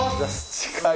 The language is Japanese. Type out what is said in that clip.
近い。